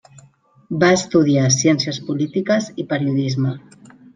Va estudiar Ciències Polítiques i Periodisme.